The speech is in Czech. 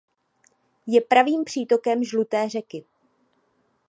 Je pravým přítokem Žluté řeky.